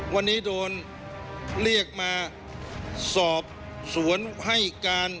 วันนี้โดนเรียกมาสอบสวนให้การ